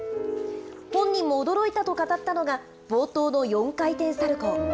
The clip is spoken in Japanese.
本人も驚いたと語ったのが、冒頭の４回転サルコー。